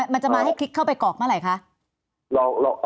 มันจะมาให้คลิกเข้าไปกรอกเมื่อไหร่คะ